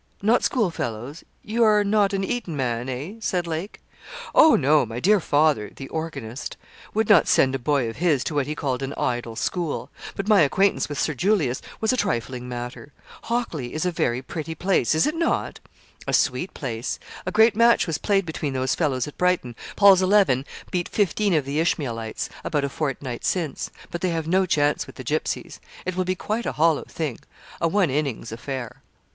'Not schoolfellows you are not an Eton man, eh?' said Lake. 'Oh no! My dear father' (the organist) 'would not send a boy of his to what he called an idle school. But my acquaintance with Sir Julius was a trifling matter. Hockley is a very pretty place, is not it?' 'A sweet place. A great match was played between those fellows at Brighton: Paul's Eleven beat fifteen of the Ishmaelites, about a fortnight since; but they have no chance with the Gipsies. It will be quite a hollow thing a one innings affair.'